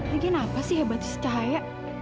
lagian apa sih hebatnya cahaya